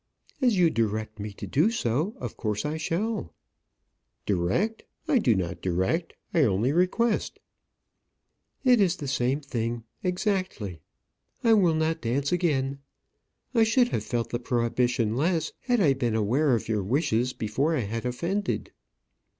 "As you direct me to do so, of course I shall." "Direct! I do not direct, I only request." "It is the same thing, exactly. I will not dance again. I should have felt the prohibition less had I been aware of your wishes before I had offended."